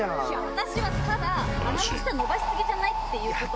私はただ鼻の下伸ばし過ぎじゃない？ってこと。